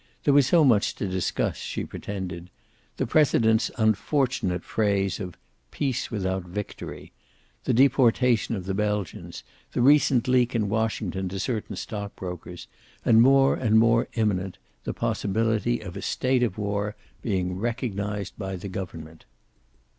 There was so much to discuss, she pretended. The President's unfortunate phrase of "peace without victory"; the deportation of the Belgians, the recent leak in Washington to certain stock brokers, and more and more imminent, the possibility of a state of war being recognized by the government.